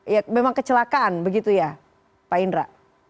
ya memang kecelakaan begitu ya pak indra